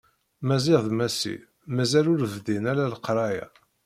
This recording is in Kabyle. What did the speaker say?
Maziɣ d Massi mazal ur bdin ara leqraya.